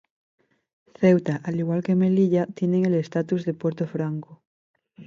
Ceuta, al igual que Melilla, tiene el estatus de puerto franco.